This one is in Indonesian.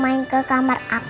mau main ke kamar aku gak